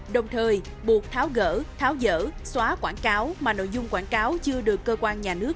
đồng thời buộc tháo gỡ tháo dở xóa quảng cáo mà nội dung quảng cáo chưa được cơ quan nhà nước